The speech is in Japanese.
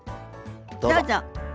どうぞ。